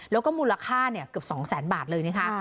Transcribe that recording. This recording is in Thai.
แล้วก็มูลค่าเนี่ยเกือบ๒๐๐๐๐๐บาทเลยนะคะ